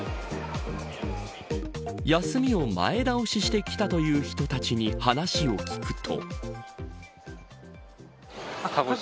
休みを前倒しして来たという人たちに話を聞くと。